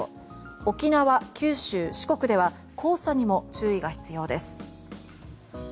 沖縄、四国、九州では黄砂にも注意が必要です。